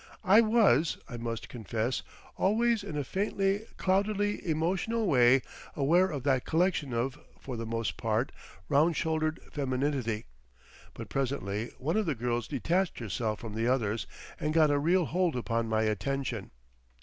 I was, I must confess, always in a faintly cloudily emotional way aware of that collection of for the most part round shouldered femininity, but presently one of the girls detached herself from the others and got a real hold upon my attention.